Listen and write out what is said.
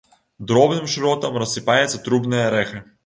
Дробным шротам рассыпаецца трубнае рэха.